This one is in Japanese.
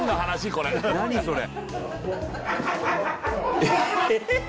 これ何それ？